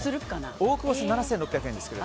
大久保さん７６００円ですけれども。